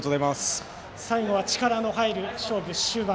最後は力の入る勝負、終盤。